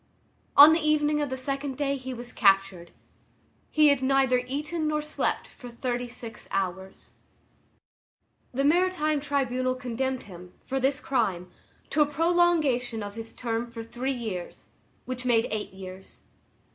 On the evening of the second day he was captured. He had neither eaten nor slept for thirty six hours. The maritime tribunal condemned him, for this crime, to a prolongation of his term for three years, which made eight years.